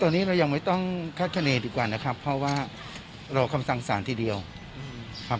ก็ไม่เป็นสิ่งที่ดีนะครับก็รอกรอคำสั่งสารสัก๙๑๐โมงน่าจะเรียบร้อยครับ